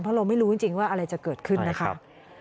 เพราะเราไม่รู้จริงว่าอะไรจะเกิดขึ้นนะคะ